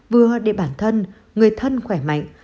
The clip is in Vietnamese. vừa để bản thân người thân khỏe mạnh